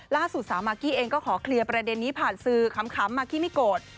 ล่าสุดสาวมากกี้เองก็ขอเคลียร์ประเด็นนี้ผ่านสื่อขำมากกี้ไม่โกรธ